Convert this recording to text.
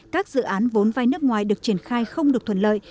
các dự án vốn vai nước ngoài được triển khai không được thuận lợi